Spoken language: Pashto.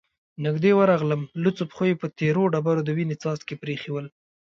نږدې ورغلم، لوڅو پښو يې په تېرو ډبرو د وينو څاڅکې پرېښي ول،